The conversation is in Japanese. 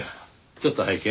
ちょっと拝見。